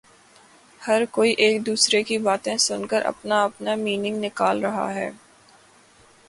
ہر کوئی ایک دوسرے کی باتیں سن کر اپنا اپنا مینینگ نکال رہا ہے